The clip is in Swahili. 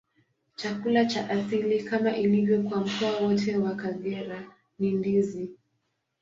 Chakula cha asili, kama ilivyo kwa mkoa wote wa Kagera, ni ndizi.